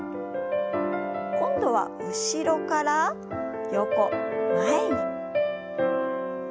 今度は後ろから横前に。